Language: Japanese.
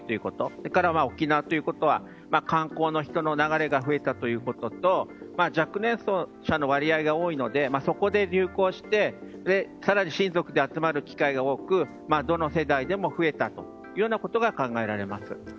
それから沖縄ということは観光の人の流れが増えたということと若年層の割合が多いのでそこで流行して更に親族で集まる機会が多くどの世代でも増えたというようなことが考えられます。